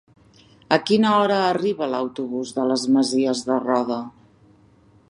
A quina hora arriba l'autobús de les Masies de Roda?